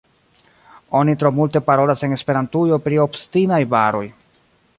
Oni tro multe parolas en Esperantujo pri “obstinaj baroj”.